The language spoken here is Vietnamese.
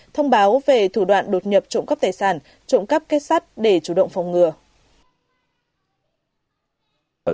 thông báo về thủ đoạn đột nhập trộm cắp tài sản trộm cắp kết sắt để chủ động phòng ngừa